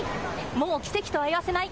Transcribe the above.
もう奇跡とは言わせない。